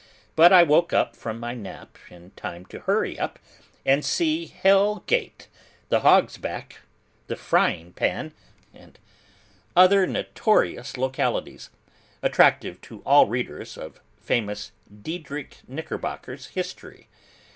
But I woke from my nap in time to hurry up, and see Hell Gate, the Hog's Back, the Frying Pan, and other notorious localities, attractive to all readers of famous Diedrich Knickerbocker's History.